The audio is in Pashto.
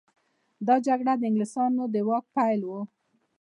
دا جګړه د انګلیسانو د واک پیل و.